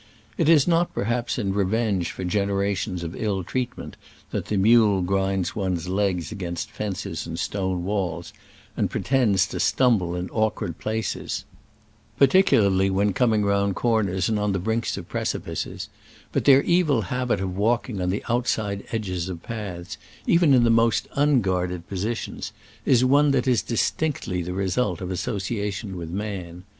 It is not perhaps in revenge for generations of ill treatment that the mule grinds one's legs against fences and stone walls, and pretends to stum ble in awkward places, particularly Digitized by Google SCRAMBLES AMONGST THE ALPS IN i86o '69. II when coming round corners and on the brinks of precipices ; but their evil habit of walking on the outside edges of paths (even in the most unguarded positions) is one that is distinctly the result of as sociation with man.